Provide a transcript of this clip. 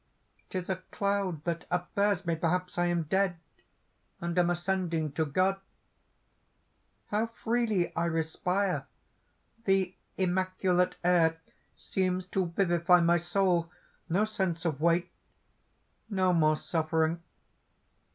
'tis a cloud that upbears me! Perhaps I am dead, and am ascending to God.... "How freely I respire. The immaculate air seems to vivify my soul. No sense of weight! no more suffering.